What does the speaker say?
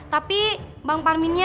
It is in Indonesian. tapi bang parminnya